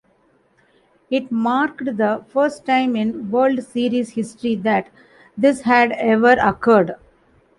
It marked the first time in World Series history that this had ever occurred.